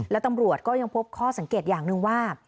และตำรวจก็ยังพบข้อสังเกตอย่างหนึ่งว่า